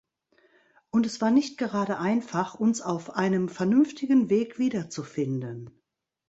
Und es war nicht gerade einfach, uns auf einem vernünftigen Weg wiederzufinden.